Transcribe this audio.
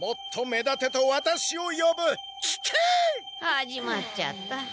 始まっちゃった。